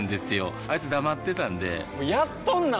あいつ黙ってたんでやっとんなー！